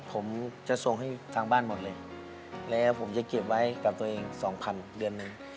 ผมจะส่งให้ทางบ้านหมดเลยแล้วผมจะเก็บไว้กับตัวเองสองพันเดือนหนึ่ง